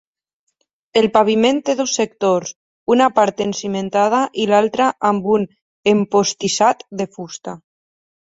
El paviment té dos sectors una part encimentada i l'altra amb un empostissat de fusta.